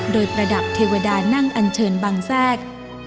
โดยประดับเทวดานั่งอันเชิญบังแทรก